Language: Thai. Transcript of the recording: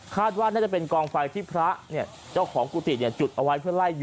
คาดว่าน่าจะเป็นกองไฟที่พระเนี่ยเจ้าของกุฏิจุดเอาไว้